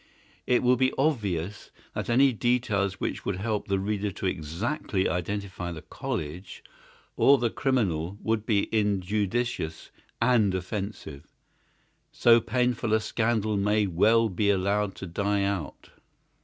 It will be obvious that any details which would help the reader to exactly identify the college or the criminal would be injudicious and offensive. So painful a scandal may well be allowed to die out.